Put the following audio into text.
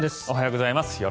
おはようございます。